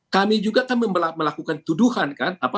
kami juga kan melakukan tuduhan kan